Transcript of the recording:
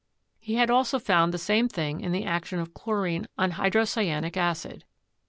He had also found the same thing in the action of chlorine on hydrocyanic acid.